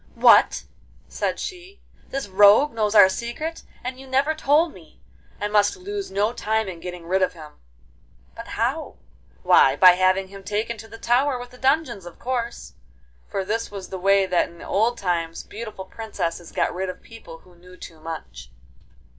'What!' said she, 'this rogue knows our secret, and you never told me! I must lose no time in getting rid of him.' 'But how?' 'Why, by having him taken to the tower with the dungeons, of course.' For this was the way that in old times beautiful princesses got rid of people who knew too much.